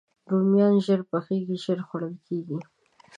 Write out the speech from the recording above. رومیان ژر پخېږي، ژر خوړل کېږي